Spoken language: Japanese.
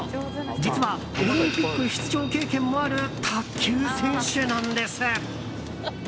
実はオリンピック出場経験もある卓球選手なんです。